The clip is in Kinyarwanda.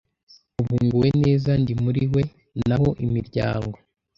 ubu nguwe neza ndi muri we naho imiryango